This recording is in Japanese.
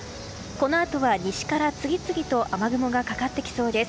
このあとは西から次々と雨雲がかかってきそうです。